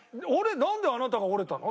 なんであなたが折れたの？